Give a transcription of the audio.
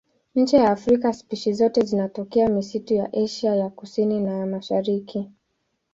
Nje ya Afrika spishi zote zinatokea misitu ya Asia ya Kusini na ya Mashariki.